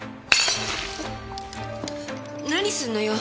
何すんのよ！